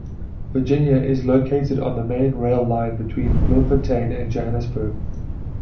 Virginia is located on the main rail line between Bloemfontein and Johannesburg.